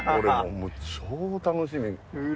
俺ももう超楽しみ。